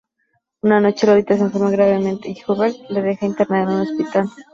Una noche, Lolita se enferma gravemente y Humbert la deja internada en un hospital.